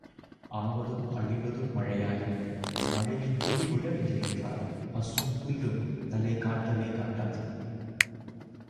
ஆவதும் அழிவதும் மழையாலே, மழையின் துளி விழவில்லை என்றால் பசும்புல்லும் தலை காட்டவே காட்டாது.